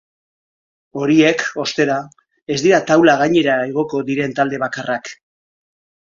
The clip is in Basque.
Horiek, ostera, ez dira taula gainera igoko diren talde bakarrak.